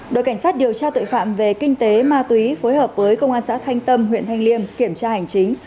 đội cảnh sát điều tra tội phạm về kinh tế ma túy phối hợp với công an xã thanh tâm huyện thanh liêm kiểm tra hành chính